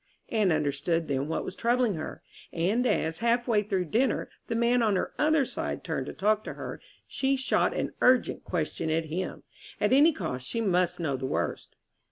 Anne understood then what was troubling her; and as, half way through dinner, the man on her other side turned to talk to her, she shot an urgent question at him. At any cost she must know the worst.